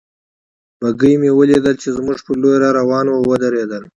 بګۍ مې ولیدل چې زموږ پر لور را روانه وه، ودرېدل.